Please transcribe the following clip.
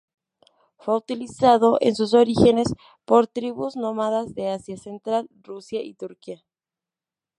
Fue utilizado en sus orígenes por tribus nómadas de Asia central, Rusia y Turquía.